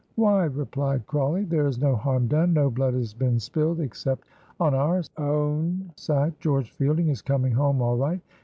"Why," replied Crawley, "there is no harm done, no blood has been spilled except on our own side. George Fielding is coming home all right.